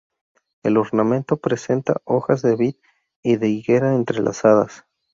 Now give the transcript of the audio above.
El ornamento presenta hojas de vid y de higuera entrelazadas.